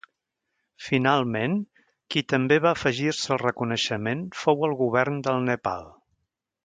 Finalment, qui també va afegir-se al reconeixement fou el govern del Nepal.